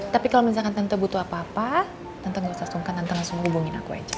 tapi kalau misalkan tante butuh apa apa tentu gak usah sungkan tentu langsung hubungin aku aja